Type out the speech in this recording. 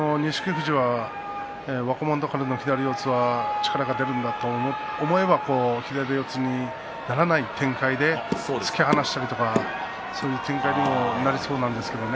富士は若元春の左四つは力が出るんだと思えば左四つにならない展開で突き放すとかそういう展開にもなりそうなんですけどね。